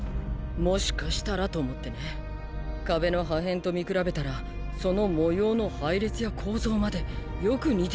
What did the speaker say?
もしかしたらと思ってね「壁」の破片と見比べたらその模様の配列や構造までよく似ていたんだ。